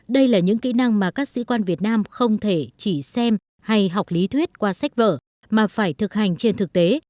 đây là những kỹ năng mà các sĩ quan việt nam không thể chỉ xem hay học lý thuyết qua sách vở mà phải thực hành trên thực tế